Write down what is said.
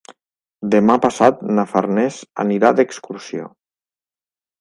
Demà passat na Farners anirà d'excursió.